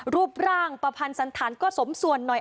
รูปร่างประพันธ์สันธารก็สมส่วนหน่อย